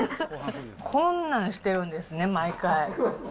こんなんしてるんですね、毎回。